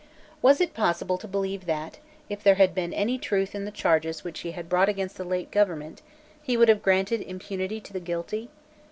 Was it possible to believe that, if there had been any truth in the charges which he had brought against the late government, he would have granted impunity to the guilty?